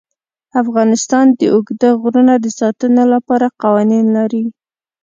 افغانستان د اوږده غرونه د ساتنې لپاره قوانین لري.